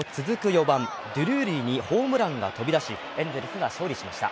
４番・デュルーリーにホームランが飛び出しエンゼルスが勝利しました。